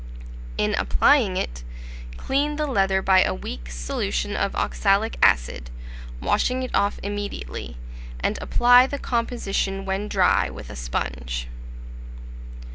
In applying it, clean the leather by a weak solution of oxalic acid, washing it off immediately, and apply the composition when dry with a sponge.